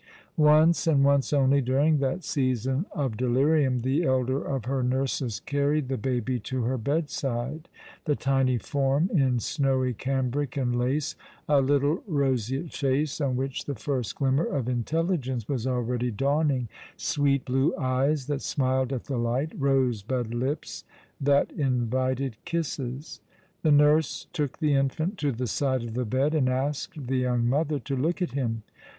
Once and once only during that season, of delirium the elder of her nurses carried the baby to her bedside, the tiny form in snowy cambric and lace, a little roseate face, on which the first glimmer of intelligence was already dawning, sweet blue eyes that smiled at the light, rosebud lips that invited kisses. The nurse took the infant to the side of the bed, and asked the young mother to look at him.